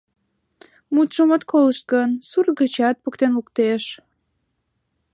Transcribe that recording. Мутшым от колышт гын, сурт гычат поктен луктеш.